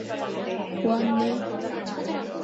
왔네.